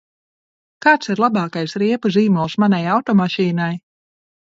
Kāds ir labākais riepu zīmols manai automašīnai?